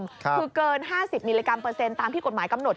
คือเกิน๕๐มิลลิกรัมเปอร์เซ็นต์ตามที่กฎหมายกำหนด